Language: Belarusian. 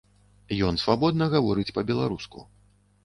Ён свабодна гаворыць па-беларуску.